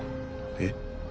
えっ？